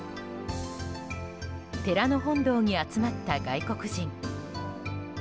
寺の本堂に集まった外国人。